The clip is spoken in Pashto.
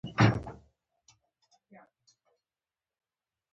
د پکتیکا په خوشامند کې د ګچ نښې شته.